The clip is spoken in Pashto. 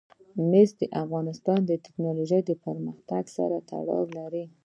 مس د افغانستان د تکنالوژۍ پرمختګ سره تړاو لري.